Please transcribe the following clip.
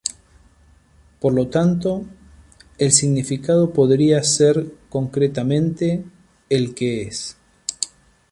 Por lo tanto, el significado podría ser concretamente ‘El que es’.